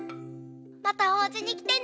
またおうちにきてね。